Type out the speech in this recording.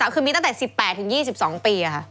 ๒๒๒๓คือมีตั้งแต่๑๘๒๒ปี